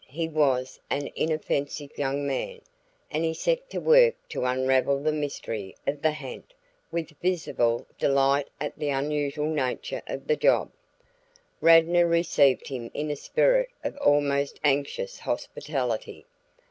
He was an inoffensive young man, and he set to work to unravel the mystery of the ha'nt with visible delight at the unusual nature of the job. Radnor received him in a spirit of almost anxious hospitality.